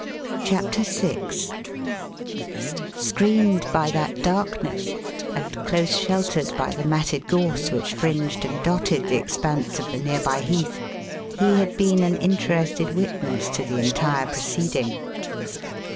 CHAPTER VI Screened by that darkness, and close sheltered by the matted gorse which fringed and dotted the expanse of the nearby heath, he had been an interested witness to the entire proceeding.